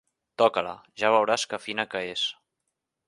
Toca-la: ja veuràs que fina que és.